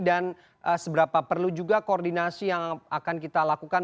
dan seberapa perlu juga koordinasi yang akan kita lakukan